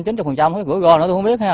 cái gửi gò nữa tôi không biết